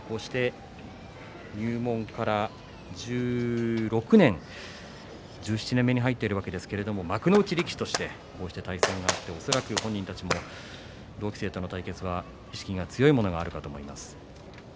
こうして入門から１６年１７年目に入っているわけですけれども幕内力士として対戦するというのは本人たちも同期生との対戦は意識が強いものがあると思います。